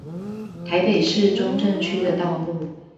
台北市中正區的道路